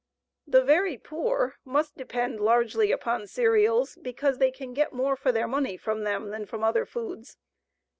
The very poor must depend largely upon cereals because they can get more for their money from them than from other foods.